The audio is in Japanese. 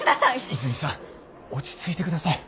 和泉さん落ち着いてください。